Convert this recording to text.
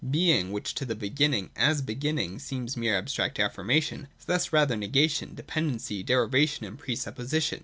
Being, which to the beginning as beginning seems mere abstract afQrmation, is thus rather negation, dependency, derivation, and pre supposition.